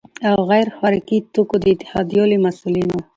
او غیر خوراکي توکو د اتحادیو له مسؤلینو،